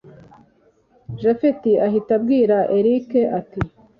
japhet ahita abwira erick ati